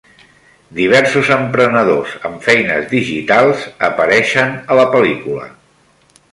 Diversos emprenedors amb feines digitals apareixen a la pel·lícula.